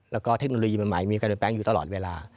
แล้วก็เทคโนโลยีใหม่มีการเปลี่ยนแปลงอยู่ตลอดเวลา